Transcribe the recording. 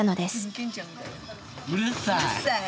うるさい。